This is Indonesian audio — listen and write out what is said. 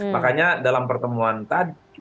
makanya dalam pertemuan tadi